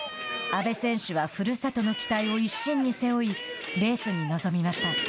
阿部選手はふるさとの期待を一身に背負いレースに臨みました。